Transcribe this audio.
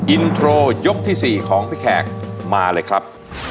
อินโทรยกที่๔ของพี่แขกมาเลยครับ